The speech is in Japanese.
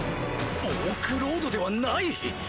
オークロードではない？